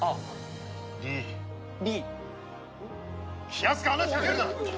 気安く話しかけるな！